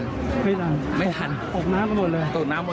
จึงไม่ได้เอดในแม่น้ำ